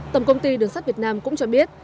tổng công ty đường sắt việt nam cũng cho biết